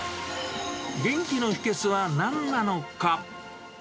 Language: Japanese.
元気の秘けつはなんなのか。